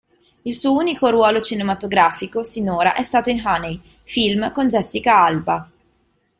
Il suo unico ruolo cinematografico sinora è stato in "Honey" film con Jessica Alba.